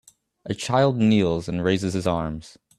A child kneels and raises his arms